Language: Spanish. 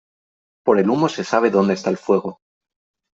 Por el humo se sabe donde está el fuego.